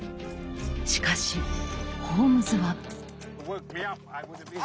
しかしホームズは。